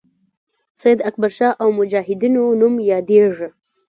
سید اکبرشاه او مجاهدینو نوم یادیږي.